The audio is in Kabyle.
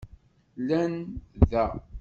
Llan da.